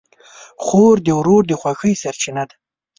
خور د ورور د خوښۍ سرچینه ده.